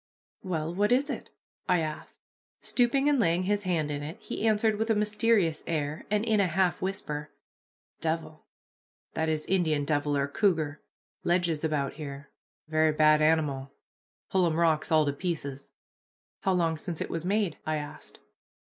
"Well, what is it?" I asked. Stooping and laying his hand in it, he answered with a mysterious air, and in a half whisper, "Devil [that is, Indian devil, or cougar] ledges about here very bad animal pull 'em rocks all to pieces." "How long since it was made?" I asked.